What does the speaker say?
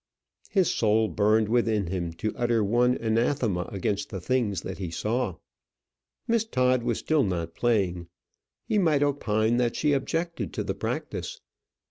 His soul burned within him to utter one anathema against the things that he saw. Miss Todd was still not playing. He might opine that she objected to the practice.